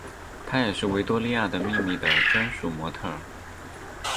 她也是维多利亚的秘密的专属模特儿。